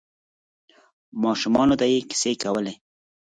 ماشومانو ته یې کیسې کولې.